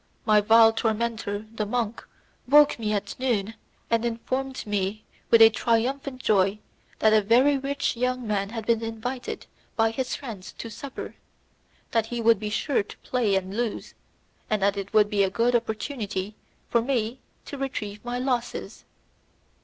My vile tormentor, the monk, woke me at noon, and informed me with a triumphant joy that a very rich young man had been invited by his friends to supper, that he would be sure to play and to lose, and that it would be a good opportunity for me to retrieve my losses.